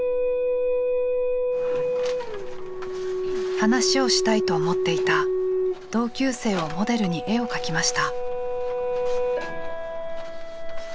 話をしたいと思っていた同級生をモデルに絵を描きました。